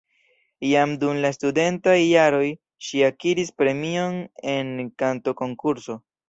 Jam dum la studentaj jaroj ŝi akiris premion en kantokonkurso.